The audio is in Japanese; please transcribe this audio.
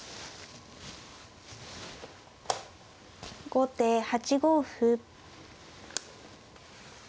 後手８五歩。